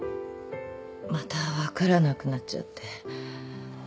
また分からなくなっちゃって。